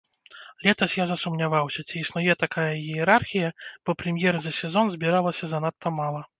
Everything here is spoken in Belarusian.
Летась я засумняваўся, ці існуе такая іерархія, бо прэм'ер за сезон збіралася занадта мала.